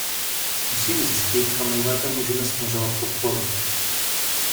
Musím zjistit, kam nejlépe můžeme směřovat podporu.